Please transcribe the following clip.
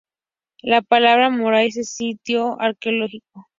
La palabra moray es sitio arqueológico.